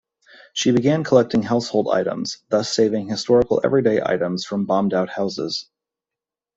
She began collecting household items, thus saving historical every-day items from bombed-out houses.